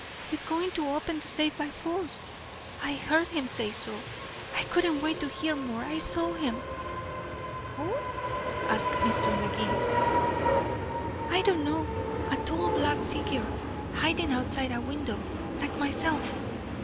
He's going to open the safe by force. I heard him say so. I couldn't wait to hear more I saw him." "Who?" asked Mr. Magee. "I don't know a tall black figure hiding outside a window like myself.